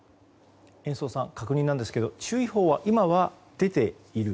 延増さん、確認ですが注意報は今は出ている？